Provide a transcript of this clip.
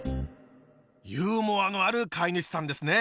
ユーモアのある飼い主さんですね！